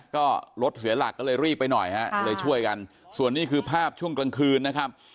ก็รถเสียหลักก็เลยรีบไปหน่อยฮะเลยช่วยกันส่วนนี้คือภาพช่วงกลางคืนนะครับ